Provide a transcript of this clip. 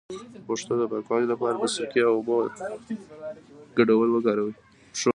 د پښو د پاکوالي لپاره د سرکې او اوبو ګډول وکاروئ